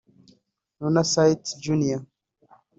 Muna Singh Jnr